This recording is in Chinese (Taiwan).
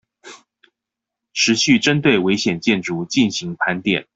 持續針對危險建築進行盤點